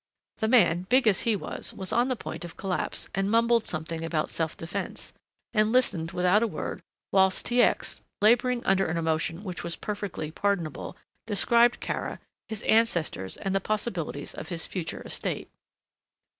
The man, big as he was, was on the point of collapse and mumbled something about self defence, and listened without a word, whilst T. X., labouring under an emotion which was perfectly pardonable, described Kara, his ancestors and the possibilities of his future estate.